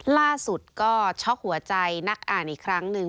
ล่าสุดก็ช็อกหัวใจนักอ่านอีกครั้งหนึ่ง